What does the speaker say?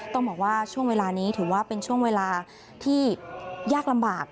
ต้องบอกว่าช่วงเวลานี้ถือว่าเป็นช่วงเวลาที่ยากลำบาก